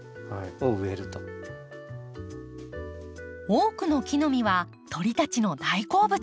多くの木の実は鳥たちの大好物。